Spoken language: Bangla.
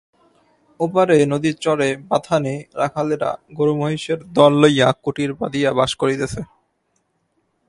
ওপারে নদীর চরে বাথানে রাখালেরা গোরুমহিষের দল লইয়া কুটির বাঁধিয়া বাস করিতেছে।